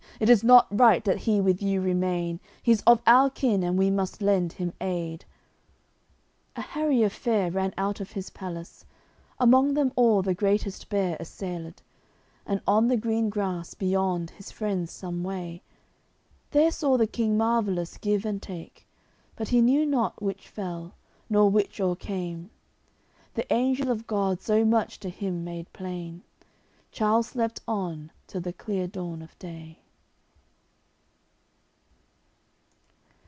It is not right that he with you remain, He's of our kin, and we must lend him aid." A harrier fair ran out of his palace, Among them all the greatest bear assailed On the green grass, beyond his friends some way. There saw the King marvellous give and take; But he knew not which fell, nor which o'ercame. The angel of God so much to him made plain. Charles slept on till the clear dawn of day.